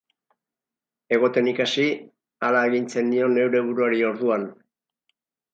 Egoten ikasi, hala agintzen nion neure buruari orduan.